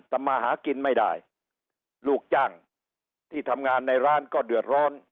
ทำมาหากินไม่ได้ลูกจ้างที่ทำงานในร้านก็เดือดร้อน